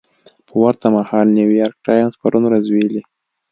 په ورته مهال نیویارک ټایمز پرون ورځ ویلي